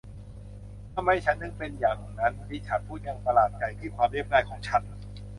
ทำไมฉันถึงเป็นอย่างนั้นริชาร์ดพูดอย่างประหลาดใจที่ความเรียบง่ายของฉัน